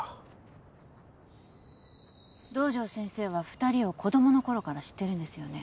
堂上先生は２人を子供のころから知ってるんですよね？